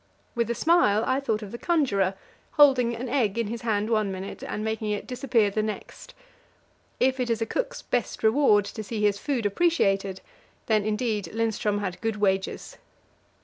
With a smile I thought of the conjurer, holding an egg in his hand one minute and making it disappear the next. If it is a cook's best reward to see his food appreciated, then, indeed, Lindström had good wages.